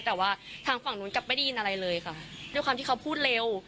แต่ว่าทางฝั่งนู้นกลับไม่ได้ยินอะไรเลยค่ะด้วยความที่เขาพูดเร็ว